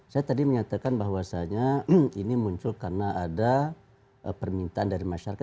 saya tadi menyatakan bahwasannya ini muncul karena ada permintaan dari masyarakat